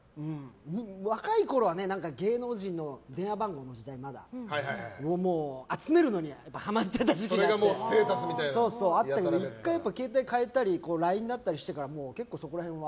若いころ、電話番号の時代は芸能人の番号を集めるのにハマってた時期があったけど１回、携帯変えたりＬＩＮＥになったりしてからそこら辺は。